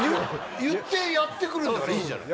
言ってやって来るんだからいいじゃない。